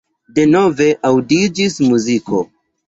Denove aŭdiĝis muziko.